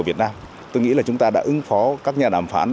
việc khỏi hiệp định một trong số các bộ trưởng